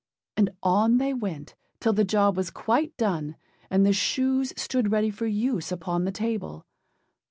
And on they went, till the job was quite done, and the shoes stood ready for use upon the table.